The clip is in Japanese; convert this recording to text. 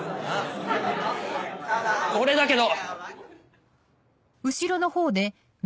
・俺だけど！